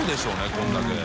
これだけ。